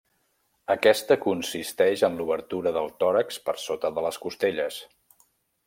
Aquesta consisteix en l'obertura del tòrax per sota de les costelles.